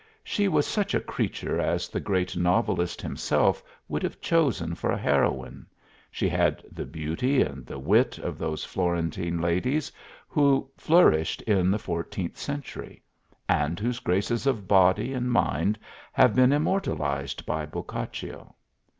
She was such a creature as the great novelist himself would have chosen for a heroine; she had the beauty and the wit of those Florentine ladies who flourished in the fourteenth century, and whose graces of body and mind have been immortalized by Boccaccio.